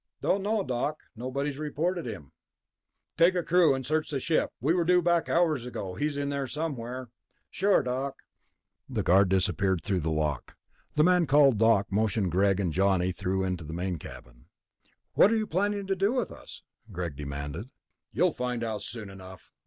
"Don't know, Doc. Nobody's reported him." "Then take a crew and search the ship. We were due back hours ago. He's in there somewhere." "Sure, Doc." The guard disappeared through the lock. The man called Doc motioned Greg and Johnny through into the main cabin. "What are you planning to do with us?" Greg demanded. "You'll find out soon enough."